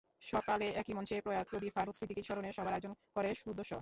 সকালে একই মঞ্চে প্রয়াত কবি ফারুক সিদ্দিকীর স্মরণে সভার আয়োজন করে শুদ্ধস্বর।